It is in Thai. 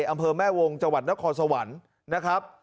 อำเภอแม่วงจังหวัดนครสวรรค์นะครับ